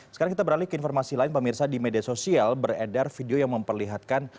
sekarang kita beralih ke informasi lain pemirsa di media sosial beredar video yang memperlihatkan